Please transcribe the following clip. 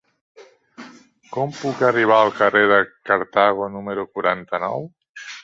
Com puc arribar al carrer de Cartago número quaranta-nou?